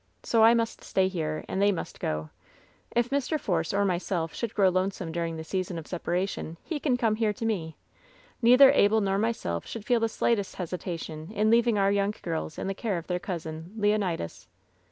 So I must stay here, and they must go. If Mr. Force or myself should grow lonesome during the sea son of separation he can come here to me. Neither Abel nor myself should feel the slightest hesitation in leaving our young girls in the care of their cousin, Leonidas.''